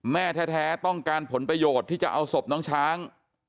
แม่แท้ต้องการผลประโยชน์ที่จะเอาศพน้องช้าง